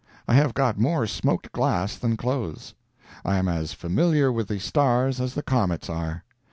I have got more smoked glass than clothes. I am as familiar with the stars as the comets are.